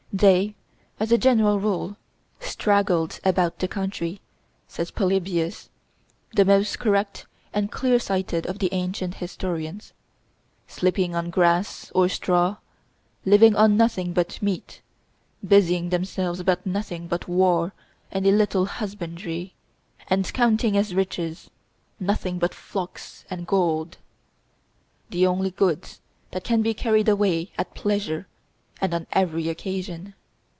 "They, as a general rule, straggled about the country," says Polybius, the most correct and clear sighted of the ancient historians, "sleeping on grass or straw, living on nothing but meat, busying themselves about nothing but war and a little husbandry, and counting as riches nothing but flocks and gold, the only goods that can be carried away at pleasure and on every occasion."